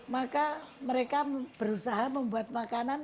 maka mereka berusaha membuat makanan